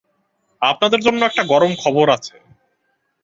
আপনাদের জন্য একটা গরম খবর আছে।